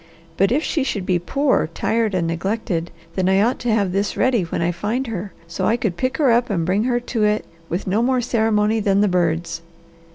But if she should be poor, tired, and neglected, then I ought to have this ready when I find her, so I could pick her up and bring her to it, with no more ceremony than the birds."